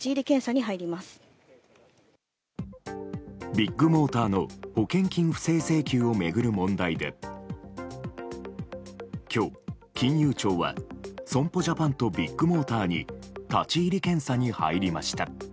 ビッグモーターの保険金不正請求を巡る問題で今日、金融庁は損保ジャパンとビッグモーターに立ち入り検査に入りました。